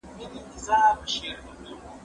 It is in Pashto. که وخت وي، امادګي نيسم،